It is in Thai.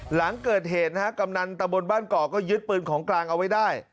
หลังเกิดเหตุนะฮะกำนันตะบนบ้านเกาะก็ยึดปืนของกลางเอาไว้ได้